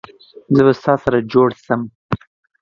زه به ستا سره جوړ سم